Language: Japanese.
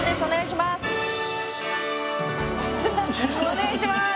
お願いします！